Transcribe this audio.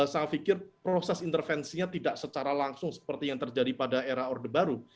saya pikir proses intervensinya tidak secara langsung seperti yang terjadi pada era orde baru